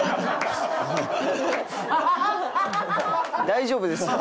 大丈夫ですよ。